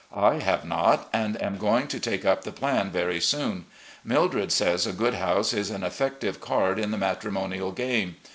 I have not, and am going to take up the plan very soon. Mildred says a good house is an effective card in the matrimonial game.